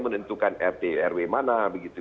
menentukan rt rw mana begitu